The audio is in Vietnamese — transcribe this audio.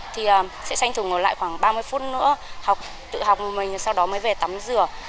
thì sẽ tranh thủ ở lại khoảng ba mươi phút nữa học tự học mình sau đó mới về tắm rửa